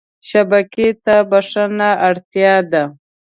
شبکې ته بښنه اړتیا ده.